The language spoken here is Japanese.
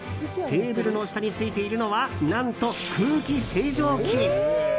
テーブルの下についているのは何と空気清浄機。